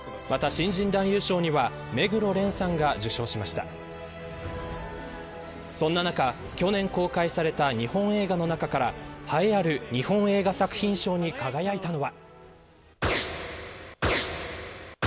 また、新人男優賞は目黒蓮さんが受賞しましたそんな中、去年公開された日本映画の中から栄えある日本映画作品賞に輝いたのは。